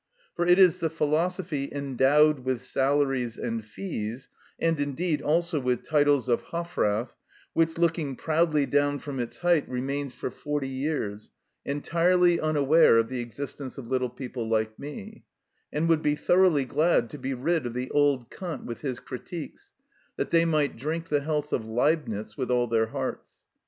For it is the philosophy endowed with salaries and fees, and, indeed, also with titles of Hofrath, which, looking proudly down from its height, remains for forty years entirely unaware of the existence of little people like me, and would be thoroughly glad to be rid of the old Kant with his Critiques, that they might drink the health of Leibnitz with all their hearts.